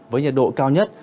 với nhiệt độ cao nhất